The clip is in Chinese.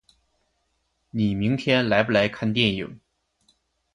你明天来不来看电影？